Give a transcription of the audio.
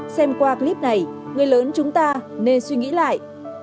xem qua clip này người lớn chúng ta nên suy nghĩ lại